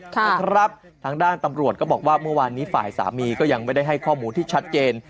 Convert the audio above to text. ทางด้านตำรวจก็บอกว่าเมื่อวานนี้ฝ่ายสามีก็ยังไม่ได้ให้ข้อมูลที่ชัดเจน